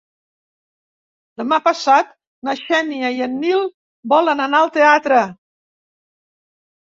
Demà passat na Xènia i en Nil volen anar al teatre.